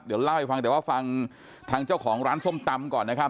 เดี๋ยวเล่าให้ฟังแต่ว่าฟังทางเจ้าของร้านส้มตำก่อนนะครับ